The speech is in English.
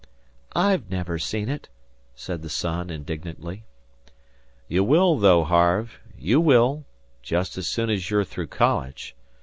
"I've never seen it," said the son, indignantly. "You will, though, Harve. You will just as soon as you're through college.